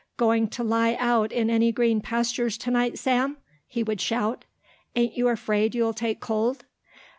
"Going to lie out in any green pastures to night, Sam?" he would shout. "Ain't you afraid you'll take cold?"